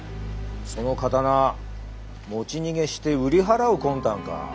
その刀持ち逃げして売り払う魂胆か？